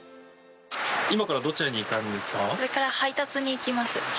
今からどちらに行かれるんですか？